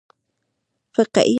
فقهي قواعدو تسلط ولري.